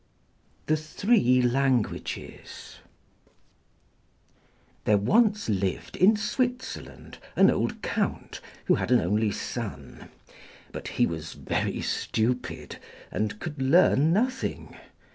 The Three Languages There once lived in Switzerland an old Count, who had an only son; but he was very stupid, and could learn nothing.